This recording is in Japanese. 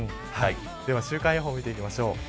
では、週間予報を見ていきましょう。